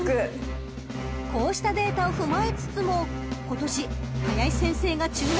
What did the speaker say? ［こうしたデータを踏まえつつも今年林先生が注目したのはこの馬］